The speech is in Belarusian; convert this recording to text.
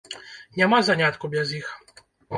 Няма занятку без іх.